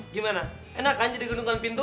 gimana enak kan jadi gedungkan pintu